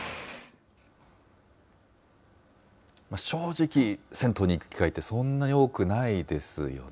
正直、銭湯に行く機会ってそんなに多くないですよね。